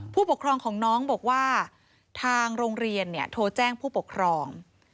ผู้ปกครองของน้องบอกว่าทางโรงเรียนโทรแจ้งผู้ปกครอง